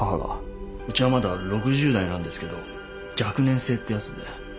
うちはまだ６０代なんですけど若年性ってやつで。